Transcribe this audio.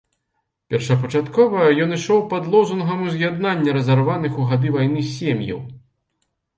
Першапачаткова ён ішоў пад лозунгам уз'яднання разарваных у гады вайны сем'яў.